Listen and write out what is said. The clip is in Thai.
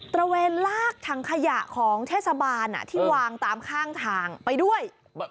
ระเวนลากถังขยะของเทศบาลที่วางตามข้างทางไปด้วย